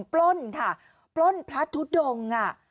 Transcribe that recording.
ปล้นค่ะปล้นพระทุดงอ่ะ